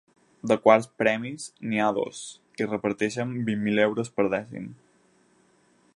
De quarts premis, n’hi ha dos i reparteixen vint mil euros per dècim.